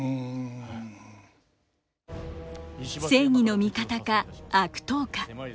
正義の味方か悪党か。